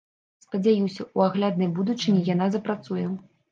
Спадзяюся, у агляднай будучыні яна запрацуе.